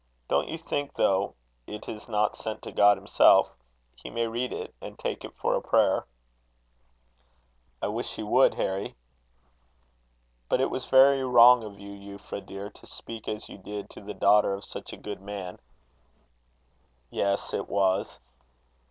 Don't you think, though it is not sent to God himself, he may read it, and take it for a prayer?" "I wish he would, Harry." "But it was very wrong of you, Euphra, dear, to speak as you did to the daughter of such a good man." "Yes, it was."